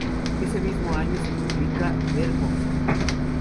Ese mismo año se publica "Der Boxer".